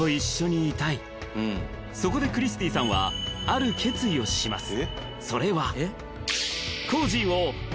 そこでクリスティさんはある決意をします